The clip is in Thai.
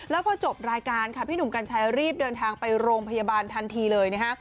แล้วพอจบรายการค่ะพี่หนุ่มกัญชัยรีบเดินทางไปโรงพยาบาลทันทีเลยนะฮะ